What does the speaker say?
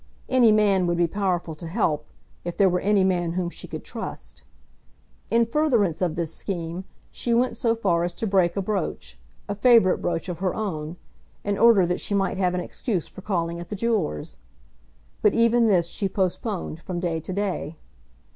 Any man would be powerful to help, if there were any man whom she could trust. In furtherance of this scheme she went so far as to break a brooch, a favourite brooch of her own, in order that she might have an excuse for calling at the jewellers'. But even this she postponed from day to day.